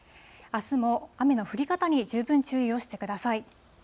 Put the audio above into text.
あすも雨の降り方に十分注意をしてください。